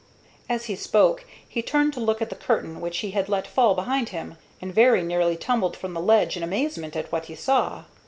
As he spoke he turned to look at the curtain which he had let fall behind him, and very nearly tumbled from the ledge in amazement at what he saw.